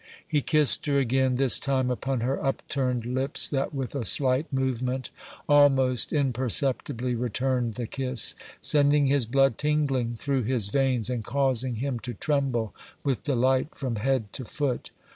He kissed her again, this time upon her upturned lips that with a slight movement almost imperceptibly returned the kiss, sending his blood tingling through his veins and causing him to tremble with delight from head to foot.